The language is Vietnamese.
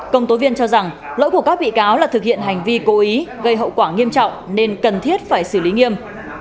công tố viên cho rằng lỗi của các bị cáo là thực hiện hành vi cố ý gây hậu quả nghiêm trọng nên cần thiết phải xử lý nghiêm